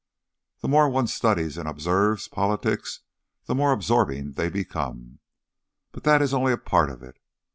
The more one studies and observes politics the more absorbing they become. But that is only a part of it.